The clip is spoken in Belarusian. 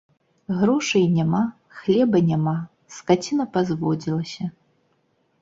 Грошай няма, хлеба няма, скаціна пазводзілася.